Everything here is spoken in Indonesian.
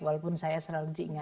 walaupun saya selalu diingatkan